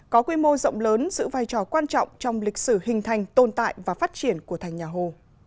có quy mô rộng lớn giữ vai trò quan trọng trong lịch sử hình thành tồn tại và phát triển của thành nhà hồ